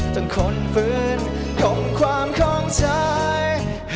ต้องค้นฝืนกลมความของฉัน